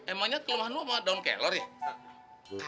emangnya kelemahan lo sama daun kelor ya